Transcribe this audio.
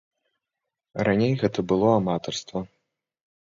Раней гэта было аматарства.